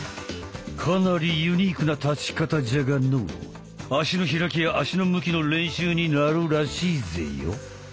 かなりユニークな立ち方じゃがのう足の開きや足の向きの練習になるらしいぜよ。